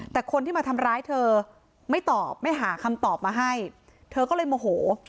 แต่คนที่มาทำร้ายเธอไม่ตอบไม่หาคำตอบมาให้เธอก็เลยโมโห